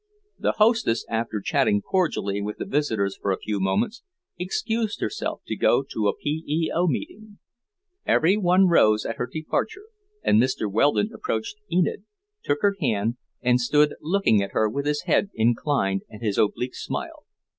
The hostess, after chatting cordially with the visitors for a few moments, excused herself to go to a P. E. O. meeting. Every one rose at her departure, and Mr. Weldon approached Enid, took her hand, and stood looking at her with his head inclined and his oblique smile.